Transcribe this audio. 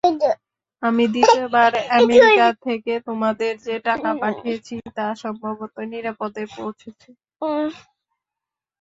আমি দ্বিতীয়বার আমেরিকা থেকে তোমাদের যে টাকা পাঠিয়েছি, তা সম্ভবত নিরাপদে পৌঁছেছে।